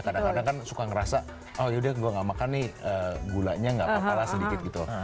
kadang kadang kan suka ngerasa oh yaudah gue gak makan nih gulanya nggak apa apalah sedikit gitu